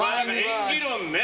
演技論ね。